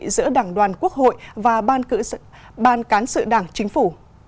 giữa đảng đoàn quốc hội và ban cán sự đảng chính phủ